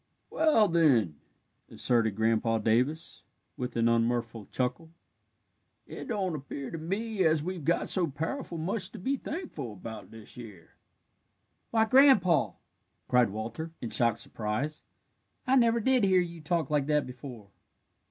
"Well, then," asserted Grandpa Davis, with an unmirthful chuckle, "it don't appear to me as we've got so powerful much to be thankful about this year." "Why, Grandpa!" cried Walter, in shocked surprise, "I never did hear you talk like that before."